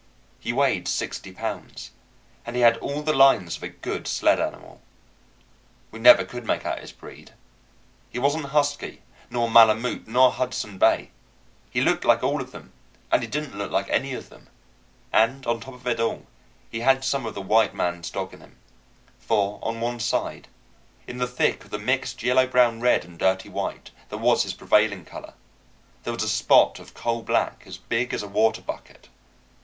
He weighed sixty pounds, and he had all the lines of a good sled animal. We never could make out his breed. He wasn't husky, nor Malemute, nor Hudson Bay; he looked like all of them and he didn't look like any of them; and on top of it all he had some of the white man's dog in him, for on one side, in the thick of the mixed yellow brown red and dirty white that was his prevailing color, there was a spot of coal black as big as a water bucket.